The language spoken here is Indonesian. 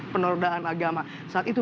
penerdaan agama saat itu